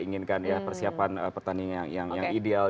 mereka inginkan persiapan pertandingan yang ideal